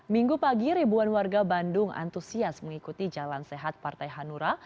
minggu pagi ribuan warga bandung antusias mengikuti jalan sehat partai hanura